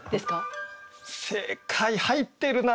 正解入ってるな。